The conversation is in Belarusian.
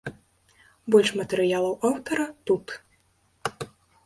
Больш матэрыялаў аўтара тут.